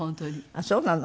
あっそうなの？